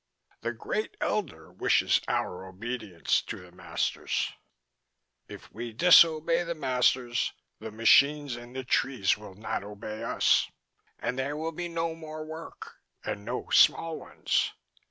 "The Great Elder wishes our obedience to the masters. "If we disobey the masters the machines and the trees will not obey us, and there will be no more work and no small ones.